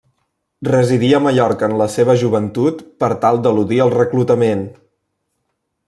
Residí a Mallorca en la seva joventut per tal d'eludir el reclutament.